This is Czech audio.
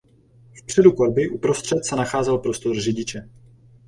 Vpředu korby uprostřed se nacházel prostor řidiče.